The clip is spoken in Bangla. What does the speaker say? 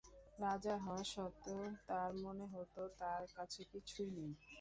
রাজা হওয়া সত্ত্বেও, তার মনে হতো তার কাছে কিছুই নেই।